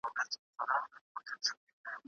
زه هره ورځ په خپله کوټه کې ورزش کوم.